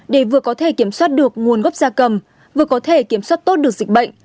để vừa có thể kiểm soát được nguồn gốc gia cầm vừa có thể kiểm soát tốt được dịch bệnh